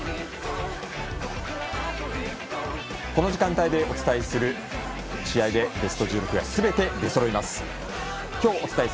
この時間帯でお伝えする試合でベスト１６がすべて出そろいます。